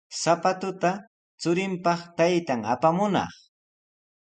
Sapatuta churinpaq taytan apamunaq.